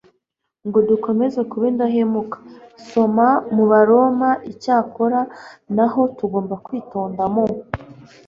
ngo dukomeze kuba indahemuka Soma mu Baroma Icyakora na ho tugomba kwitonda mu